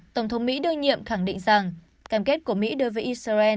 tổng thống mỹ đương nhiệm khẳng định rằng cam kết của mỹ đối với israel